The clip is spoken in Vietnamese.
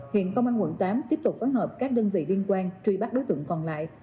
hiện công an quận tám tiếp tục phối hợp các đơn vị liên quan truy bắt đối tượng còn lại